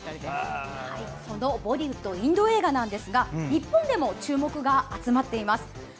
そのボリウッドインド映画なんですが日本でも注目が集まっています。